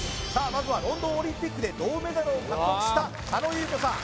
まずはロンドンオリンピックで銅メダルを獲得した佐野優子さん